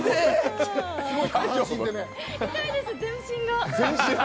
痛いです、全身が。